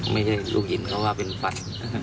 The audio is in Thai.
ไม่ใช่ลูกหินเพราะว่าเป็นฝัน